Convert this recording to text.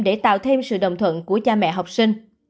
để tạo thêm sự đồng thuận của cha mẹ học sinh